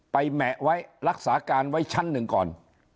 แหมะไว้รักษาการไว้ชั้นหนึ่งก่อน